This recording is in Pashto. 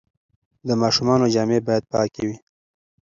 د ماشومانو جامې باید پاکې وي.